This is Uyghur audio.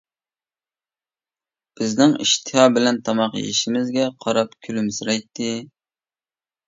بىزنىڭ ئىشتىھا بىلەن تاماق يېيىشىمىزگە قاراپ كۈلۈمسىرەيتتى.